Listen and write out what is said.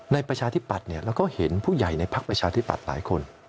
ประชาธิปัตย์เราก็เห็นผู้ใหญ่ในพักประชาธิปัตย์หลายคน